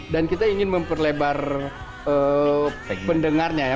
dan kita ingin memperlebar pendengarnya ya